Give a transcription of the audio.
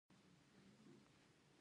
آیا هوښیار خلک نه بیلیږي؟